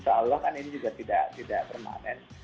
insya allah kan ini juga tidak permanen